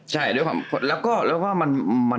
ใช่ด้วยความแล้วก็มัน